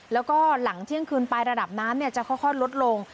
แล้วก็หลังเที่ยงคืนไประดับน้ำจะค่อยลดลง